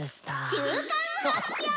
「中間発表ぉ！」。